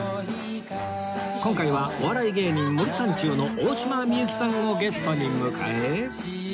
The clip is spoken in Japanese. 今回はお笑い芸人森三中の大島美幸さんをゲストに迎え